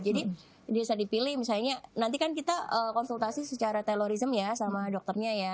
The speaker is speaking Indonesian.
jadi bisa dipilih misalnya nanti kan kita konsultasi secara telorisme ya sama dokternya ya